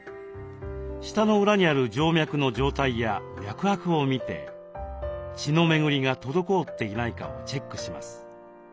舌の裏にある静脈の状態や脈拍をみて血の巡りが滞っていないかをチェックします。